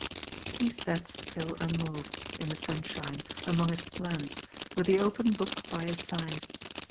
'^ He sat still unmoved, in the sunshine, among his plants, with the open book by his side.